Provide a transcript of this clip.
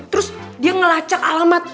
terus dia ngelacak alamat